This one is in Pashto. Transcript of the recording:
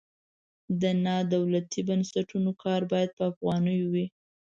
د نادولتي بنسټونو کار باید په افغانیو وي.